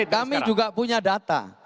kami juga punya data